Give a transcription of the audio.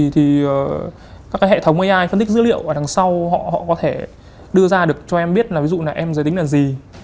thì các cái hệ thống ai phân tích dữ liệu ở đằng sau họ họ có thể đưa ra được cho em biết là ví dụ là em giới tính là gì